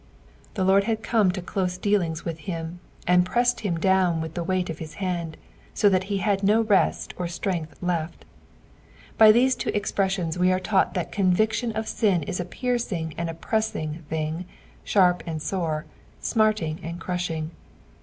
The Lord had come to cloee dealines with him, and pressed him down with tho weight of his hand, so that he h^ no rest or strength left. By these two expresMons we are taught that conviction of sin is a piercing and a presaing thing, sharp and sore, smarting and crushing.